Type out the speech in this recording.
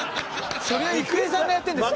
郁恵さんがやってるんですか？